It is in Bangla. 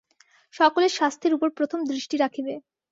সকলের স্বাস্থ্যের উপর প্রথম দৃষ্টি রাখিবে।